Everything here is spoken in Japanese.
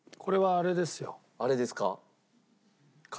あれですか？